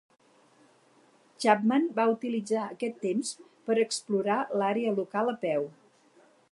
Chapman va utilitzar aquest temps per explorar l'àrea local a peu.